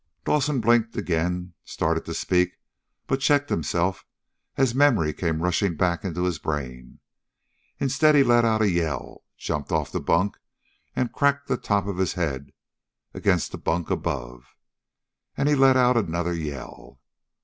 Dawson blinked again, started to speak, but checked himself as memory came rushing back into his brain. Instead he let out a yell, jumped off the bunk and cracked the top of his head against the bunk above. And he let out another yell.